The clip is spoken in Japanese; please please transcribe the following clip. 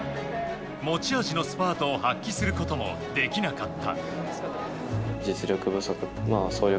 持ち味のスパートを発揮することもできなかった。